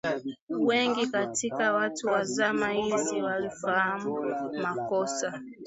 Wengi katika watu wa zama hizi walifahamu makosa